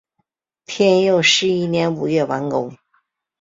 天佑十一年五月完工。